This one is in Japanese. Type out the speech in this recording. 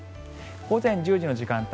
午前１０時の時間帯